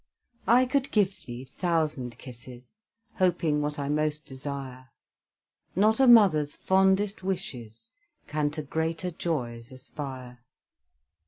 I could give thee thousand kisses, Hoping what I most desire; Not a mother's fondest wishes Can to greater joys aspire.